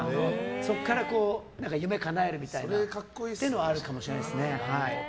そこから夢かなえるというのはあるかもしれないですね。